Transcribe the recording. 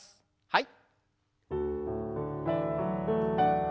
はい。